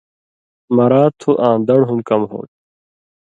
مرا تُھو آں دڑ ہم کم ہوتھی۔